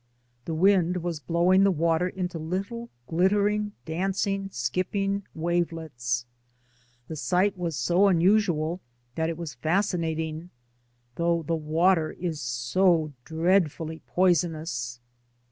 The wind was blowing the water into little glittering, dancing skip ping wavelets ; the sight was so unusual that it was fascinating, though the water is so dreadfully poisonous.